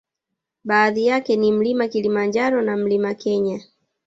Baadhi yake ni mlima kilimanjaro na mlima Kenya